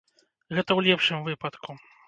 Гэта ў лепшым выпадку.